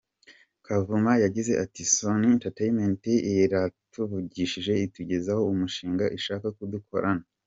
Kavuma yagize ati: “Sony Entertainment yaratuvugishije itugezaho umushinga ishaka ko dukorana.